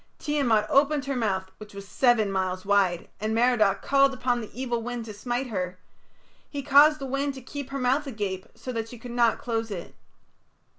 Tiamat opened her mouth which was seven miles wide, and Merodach called upon the evil wind to smite her; he caused the wind to keep her mouth agape so that she could not close it.